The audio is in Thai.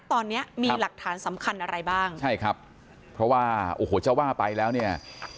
ตอนนี้มีหลักฐานสำคัญอะไรบ้างใช่ครับเพราะว่าโอ้โหจะว่าไปแล้วเนี่ย